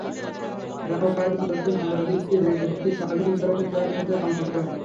রাও কয়েকজন জ্যেষ্ঠ সাংবাদিককে ডেকে পরিস্থিতি স্বাভাবিকীকরণে তাঁদের সহায়তা কামনা করেন।